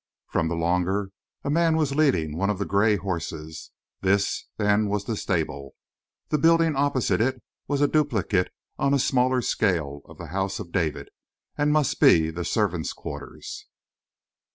From the longer a man was leading one of the gray horses. This, then, was the stable; the building opposite it was a duplicate on a smaller scale of the house of David, and must be the servants' quarters.